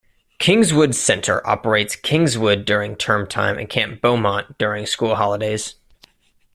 Kingswood Centre operates Kingswood during term-time and Camp Beaumont during school holidays.